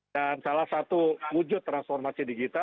dan salah satu wujud transformasi digital